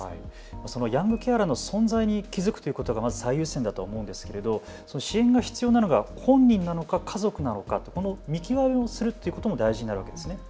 そのヤングケアラーの存在に気付くということがまず最優先だと思うんですけれど支援が必要なのが、本人なのか家族なのかこの見極めをするということも大事なことですね。